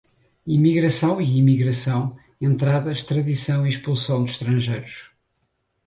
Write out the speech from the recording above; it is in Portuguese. emigração e imigração, entrada, extradição e expulsão de estrangeiros;